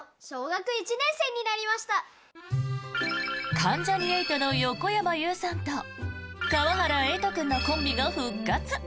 関ジャニ∞の横山裕さんと川原瑛都君のコンビが復活！